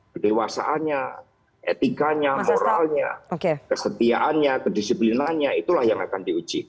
kedewasaannya etikanya moralnya kesetiaannya kedisiplinannya itulah yang akan diuji